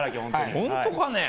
本当かね？